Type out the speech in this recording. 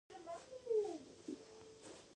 د افغانستان کرکټ ټیم مشهور دی